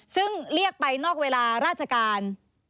ซึ่งเรียกไปนอกเวลาราชการ